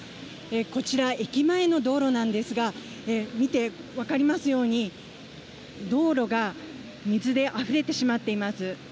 こちら、駅前の道路なんですが、見て分かりますように、道路が水であふれてしまっています。